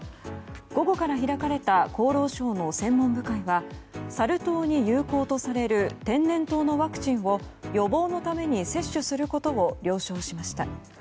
午後から開かれた厚労省の専門部会はサル痘に有効とされる天然痘のワクチンを予防のために接種することを了承しました。